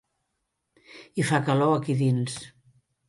Hi fa calor, ací dins.